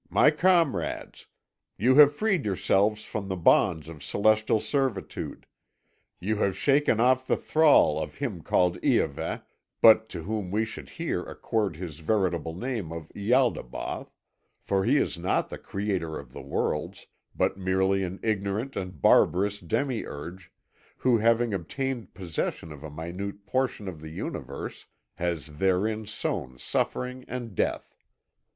My comrades! You have freed yourselves from the bonds of celestial servitude you have shaken off the thrall of him called Iahveh, but to whom we should here accord his veritable name of Ialdabaoth, for he is not the creator of the worlds, but merely an ignorant and barbarous demiurge, who having obtained possession of a minute portion of the Universe has therein sown suffering and death.